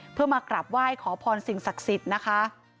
เพื่อมากราบไหว้ขอพรสิ่งศักดิ์สิทธิ์นะคะ